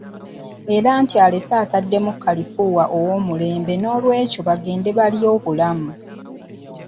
Era nti alese ataddemu kalifuuwa ow'omulembe n'olwekyo bagende balye obulamu.